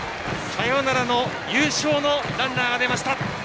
サヨナラの優勝のランナーが出ました。